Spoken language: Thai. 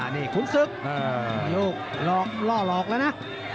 นี่ขุนศึกลอกแล้วนะ